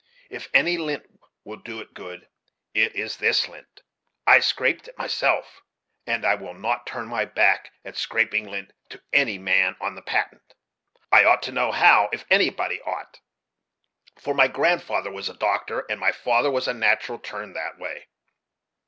If any lint will do it good, it is this lint; I scraped it myself, and I will not turn my back at scraping lint to any man on the Patent. I ought to know how, if anybody ought, for my grandfather was a doctor, and my father had a natural turn that way."